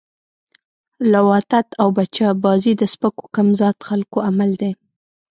لواطت او بچه بازی د سپکو کم ذات خلکو عمل ده